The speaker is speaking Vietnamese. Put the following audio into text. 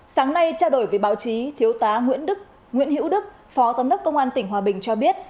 sáng nay trao đổi với báo chí thiếu tá nguyễn hữu đức phó giám đốc công an tỉnh hòa bình cho biết